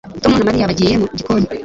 Tom na Mariya bagiye mu gikoni